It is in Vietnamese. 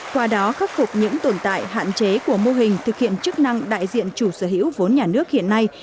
qua đó khắc phục những tồn tại hạn chế của mô hình thực hiện chức năng đại diện chủ sở hữu vốn nhà nước hiện nay